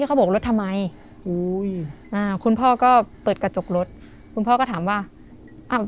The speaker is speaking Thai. เขาบอกรถทำไมอุ้ยอ่าคุณพ่อก็เปิดกระจกรถคุณพ่อก็ถามว่าอ้าว